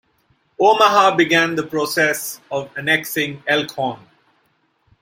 Omaha began the process of annexing Elkhorn.